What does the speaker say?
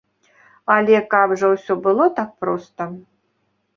Але каб жа ўсё было так проста.